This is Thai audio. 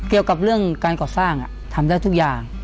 เกี่ยวกับเรื่องการก่อสร้างทำได้ทุกอย่าง